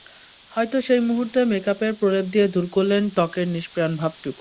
হয়তো সেই মুহূর্তে মেকআপের প্রলেপ দিয়ে দূর করলেন ত্বকের নিষ্প্রাণ ভাবটুকু।